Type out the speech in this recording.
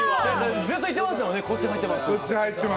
ずっと言ってましたもんね、こっち入ってますって。